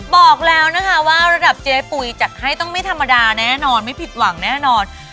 บอกแล้วนะคะว่าระดับเจ๊ปุ๋ยจัดให้ต้องไม่ธรรมดาแน่นอนไม่ผิดหวังแน่นอน